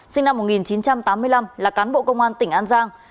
sinh năm một nghìn chín trăm tám mươi năm là cán bộ công an tỉnh an giang